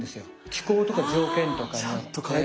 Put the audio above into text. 気候とか条件とかによって。